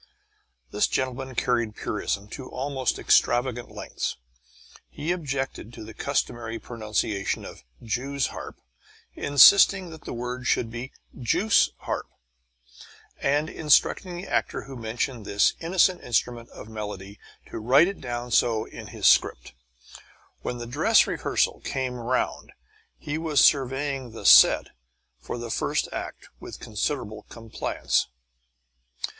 This gentleman carried purism to almost extravagant lengths. He objected to the customary pronunciation of "jew's harp," insisting that the word should be "juice harp," and instructing the actor who mentioned this innocent instrument of melody to write it down so in his script. When the dress rehearsal came round, he was surveying the "set" for the first act with considerable complacence.